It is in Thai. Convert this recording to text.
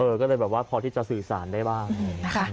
ก็เลยแบบว่าพอที่จะสื่อสารได้บ้าง